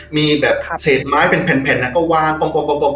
มีแบบเศษไม้เป็นแผ่นก็วางกลม